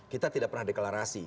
kita tidak pernah deklarasi